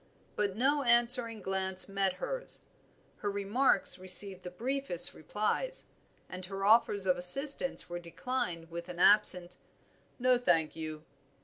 But no answering glance met hers; her remarks received the briefest replies, and her offers of assistance were declined with an absent "No, thank you."